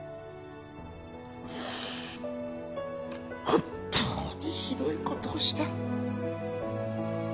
本当にひどい事をした。